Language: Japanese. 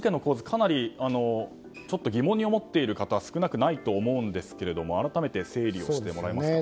かなり疑問に思っている方は少なくないと思うんですが改めて整理をしてもらえますか。